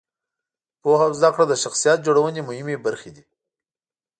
پوهه او زده کړه د شخصیت جوړونې مهمې برخې دي.